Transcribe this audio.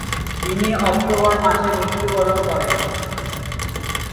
তিনি অক্টোবর মাসে মৃত্যুবরণ করেন।